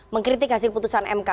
mengkritik hasil keputusan mk